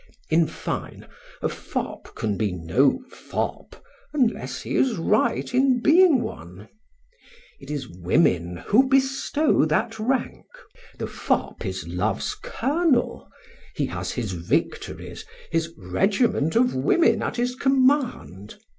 In fine, a fop can be no fop unless he is right in being one. It is women who bestow that rank. The fop is love's colonel; he has his victories, his regiment of women at his command.